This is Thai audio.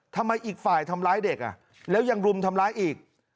ทำไมอีกฝ่ายทำร้ายเด็กแล้วยังรุมทำร้ายอีก